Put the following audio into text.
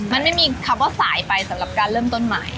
มันไม่มีคำว่าสายไปสำหรับการเริ่มต้นใหม่